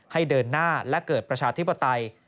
ให้เดินหน้าและเกิดประชาธิปไตย